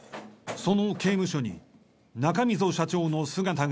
その刑務所に中溝社長の姿があった。